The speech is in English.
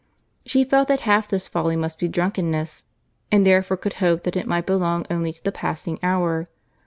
She felt that half this folly must be drunkenness, and therefore could hope that it might belong only to the passing hour.